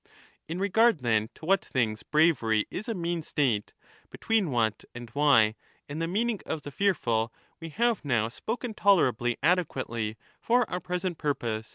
In regard, then, to what things bravery is a mean state, 35 between what, and why, and the meaning of the fearful, we have now spoken tolerably adequately for our present purpose.